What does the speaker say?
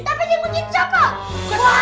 tapi dia muncul siapa